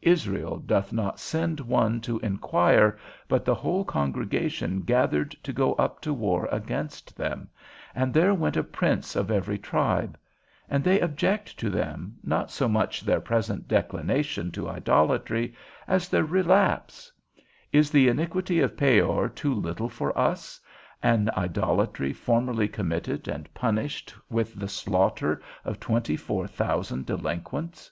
Israel doth not send one to inquire, but the whole congregation gathered to go up to war against them, and there went a prince of every tribe; and they object to them, not so much their present declination to idolatry, as their relapse: Is the iniquity of Peor too little for us? an idolatry formerly committed, and punished with the slaughter of twenty four thousand delinquents.